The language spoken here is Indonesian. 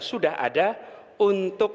sudah ada untuk